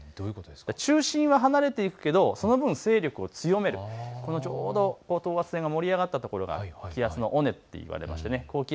中心は離れていくけれどその分、勢力を強める、ちょうど等圧線が盛り上がったところが、気圧の尾根と言われます。